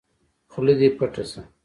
خوله دې پټّ شه!